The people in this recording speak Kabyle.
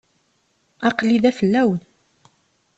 Aql-iyi da fell-awen.